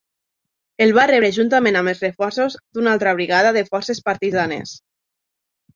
El va rebre juntament amb els reforços d'una altra brigada de forces partisanes.